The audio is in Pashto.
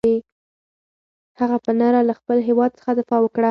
هغه په نره له خپل هېواد څخه دفاع وکړه.